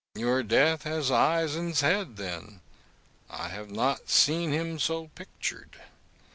GAOLER. Your death has eyes in's head, then; I have not seen him so pictur'd.